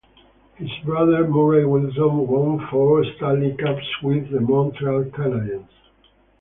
His brother, Murray Wilson, won four Stanley Cups with the Montreal Canadiens.